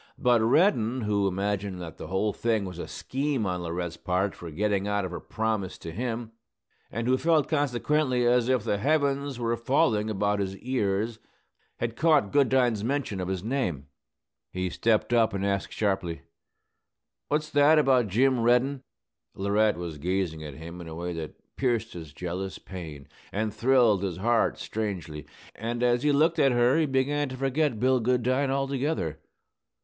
But Reddin, who imagined that the whole thing was a scheme on Laurette's part for getting out of her promise to him, and who felt, consequently, as if the heavens were falling about his ears, had caught Goodine's mention of his name. He stepped up and asked sharply, "What's that about Jim Reddin?" Laurette was gazing at him in a way that pierced his jealous pain and thrilled his heart strangely; and as he looked at her he began to forget Bill Goodine altogether.